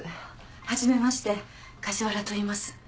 はじめまして梶原といいます。